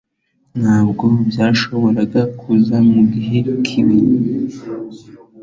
Ntabwo byashoboraga kuza mugihe kibi.